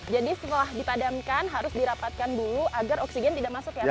jadi setelah dipadamkan harus dirapatkan dulu agar oksigen tidak masuk ya